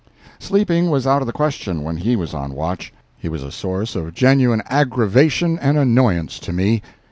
Sleeping was out of the question when he was on watch. He was a source of genuine aggravation and annoyance to me.